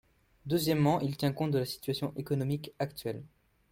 Deuxièmement, il tient compte de la situation économique actuelle.